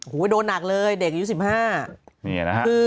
โหโห้โดนหนักเลยเด็กอายุ๑๕